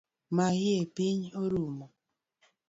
Mayie piny rumo